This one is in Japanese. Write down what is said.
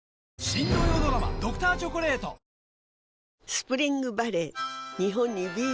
・スプリングバレー